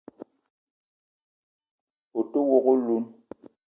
O te wok oloun